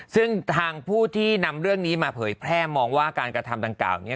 ซึ่งทางผู้ที่นำเรื่องนี้มาเผยแพร่มองว่าการกระทำดังกล่าวนี้